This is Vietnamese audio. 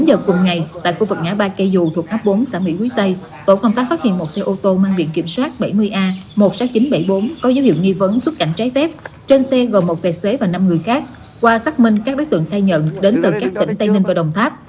một mươi giờ cùng ngày tại khu vực ngã ba cây dù thuộc ấp bốn xã mỹ quý tây tổ công tác phát hiện một xe ô tô mang biện kiểm soát bảy mươi a một mươi sáu nghìn chín trăm bảy mươi bốn có dấu hiệu nghi vấn xuất cảnh trái phép trên xe gồm một tài xế và năm người khác qua xác minh các đối tượng khai nhận đến từ các tỉnh tây ninh và đồng tháp